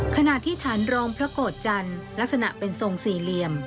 ขณะที่ฐานรองพระโกรธจันทร์ลักษณะเป็นทรงสี่เหลี่ยม